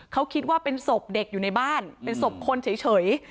เขาคิดว่าเป็นศพเด็กอยู่ในบ้านเป็นศพคนเฉย